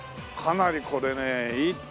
かなりこれね